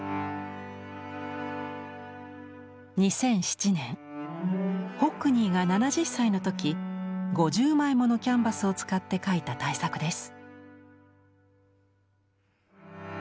２００７年ホックニーが７０歳の時５０枚ものキャンバスを使って描いた大作です。